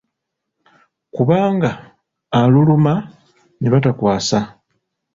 Kubanga aluluma ne batakwasa.